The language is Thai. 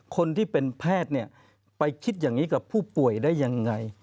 คนที่เป็นแพทย์เนี่ยไปคิดอย่างนี้กับผู้ป่วยได้ยังไง